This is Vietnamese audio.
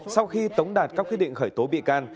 sau khi tống đạt các quyết định khởi tố bị can